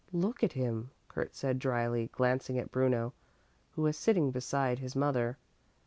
'" "Look at him," Kurt said dryly, glancing at Bruno, who was sitting beside his mother.